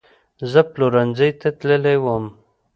زه پلورنځۍ ته تللې وم